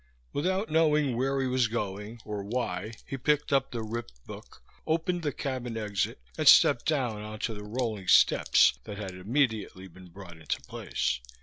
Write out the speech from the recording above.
Without knowing where he was going or why he picked up the ripped book, opened the cabin exit and stepped down onto the rolling steps that had immediately been brought into place.